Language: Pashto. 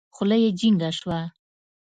خوله يې جينګه سوه.